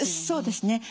そうですね。